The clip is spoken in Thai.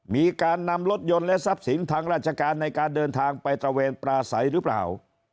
มีการนำรถยนต์และทรัพย์สินทางราชการในการเดินทางไปตระเวนปลาใสหรือเปล่า